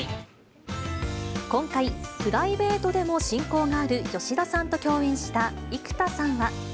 今回、プライベートでも親交がある吉田さんと共演した生田さんは。